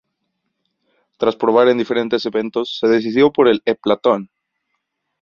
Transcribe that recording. Tras probar en diferentes eventos, se decidió por el heptatlón.